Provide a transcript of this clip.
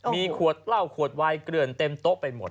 มีขวดเหล้าขวดวายเกลือนเต็มโต๊ะไปหมด